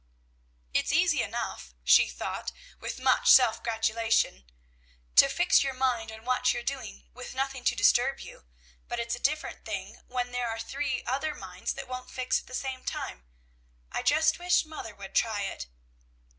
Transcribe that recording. "It's easy enough," she thought with much self gratulation, "to fix your mind on what you are doing, with nothing to disturb you; but it's a different thing when there are three other minds that won't fix at the same time. I just wish mother would try it."